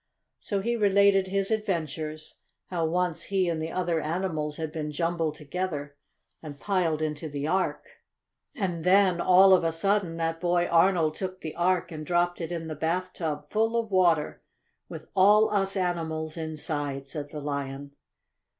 So he related his adventures how once he and the other animals had been jumbled together and piled into the Ark. "And then, all of a sudden, that boy Arnold took the Ark and dropped it in the bathtub full of water, with all us animals inside!" said the Lion.